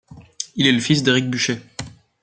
Il est le fils d'Éric Buchet.